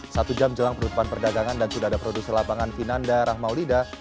satu jam jelang penutupan perdagangan dan sudah ada produser lapangan vinanda rahmaulida